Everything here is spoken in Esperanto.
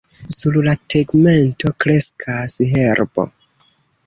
Sur la tegmento kreskas herbo.